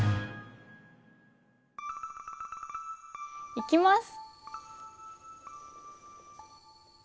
いきます。